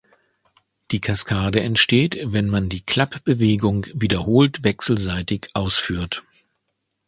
Die "Kaskade" entsteht, wenn man die Klapp-Bewegung wiederholt wechselseitig ausführt.